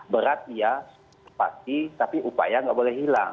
berat ya pasti tapi upaya nggak boleh hilang